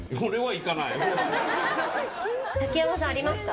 竹山さん、ありました？